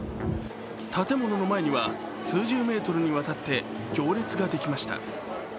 建物の前には数十メートルにわたって行列ができました。